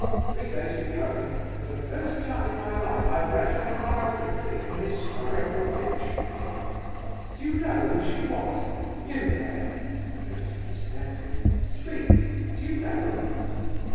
Three days ago, for the first time in my life, I read her biography in an historical dictionary. Do you know who she was? You there!" addressing his nephew. "Speak! do you know?"